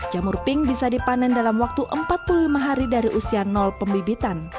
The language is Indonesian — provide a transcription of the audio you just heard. jamur pink bisa dipanen dalam waktu empat puluh lima hari dari usia pembibitan